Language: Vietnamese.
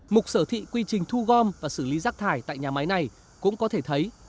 mục sở thị quy trình thu gom và xử lý rác thải tại nhà máy này cũng có thể thấy